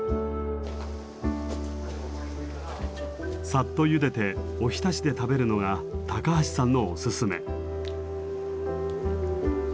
さっとゆでておひたしで食べるのが高橋さんのおすすめ。